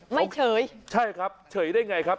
ไม่เฉยใช่ครับเฉยได้ไงครับ